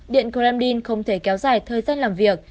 điện kremlin không thể kéo dài thời gian làm việc